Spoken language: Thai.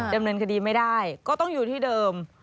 ดำเนินคดีไม่ได้ก็ต้องอยู่ที่เดิม